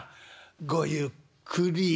「ごゆっくり」。